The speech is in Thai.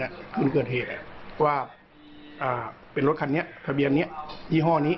ก็ไม่รู้สึกเหตุเกิดเหตุว่าเป็นรถคันนี้โดยครั้งทานใบนี้